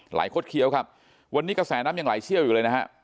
คดเคี้ยวครับวันนี้กระแสน้ำยังไหลเชี่ยวอยู่เลยนะฮะ